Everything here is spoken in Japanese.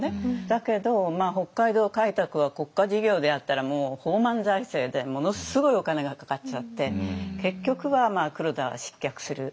だけど北海道開拓は国家事業でやったらもう放漫財政でものすごいお金がかかっちゃって結局は黒田は失脚する。